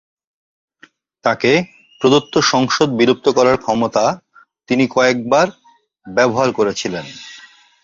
তাঁকে প্রদত্ত সংসদ বিলুপ্ত করার ক্ষমতা তিনি কয়েকবার ব্যবহার করেছিলেন।